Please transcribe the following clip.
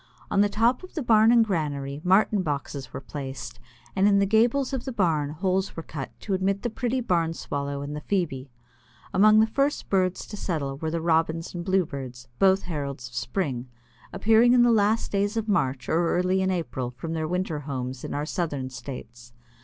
On the top of the barn and granary Martin boxes were placed, and in the gables of the barn holes were cut to admit the pretty Barn Swallow and the Phoebe. Among the first birds to settle were the Robins and Bluebirds, both heralds of spring, appearing in the last days of March or early in April from their winter homes in our Southern States.